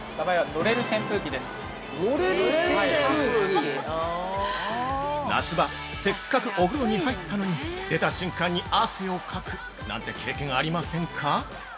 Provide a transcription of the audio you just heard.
◆のれる扇風機？◆夏場、せっかくお風呂に入ったのに出た瞬間に汗をかくなんて経験ありませんか？